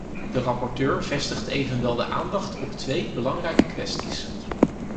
De rapporteur vestigt evenwel de aandacht op twee belangrijke kwesties.